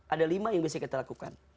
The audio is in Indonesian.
ada lima yang bisa kita lakukan